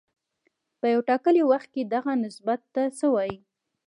په یو ټاکلي وخت کې دغه نسبت ته څه وايي